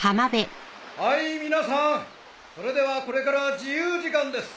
はい皆さんそれではこれから自由時間です。